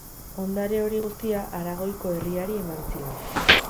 Ondare hori guztia Aragoiko herriari eman zion.